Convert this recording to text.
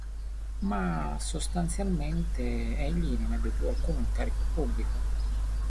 Ma, sostanzialmente, egli non ebbe più alcun incarico pubblico.